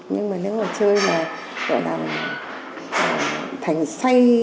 nhưng mà nếu mà chơi mà gọi là thành say